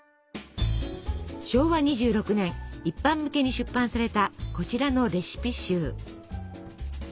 昭和２６年一般向けに出版されたこちらのレシピ集。